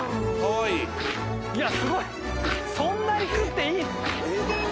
いや、すごい、そんなに食っていい？